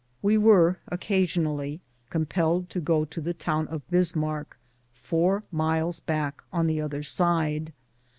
We were occasionally compelled to go to the town of Bismarck, four miles back on the other side.